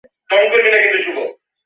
মতি তাহা জানে মা।